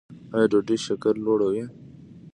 ایا ډوډۍ شکر لوړوي؟